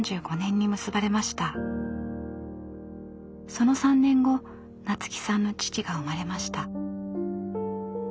その３年後菜津紀さんの父が生まれました。